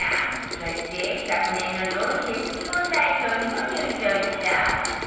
そして昨年の料理レシピ本大賞にも入賞した